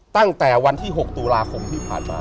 ตั้งแต่วันที่๖ตุลาคมที่ผ่านมา